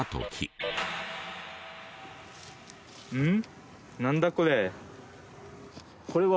うん？